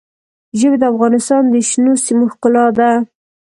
ژبې د افغانستان د شنو سیمو ښکلا ده.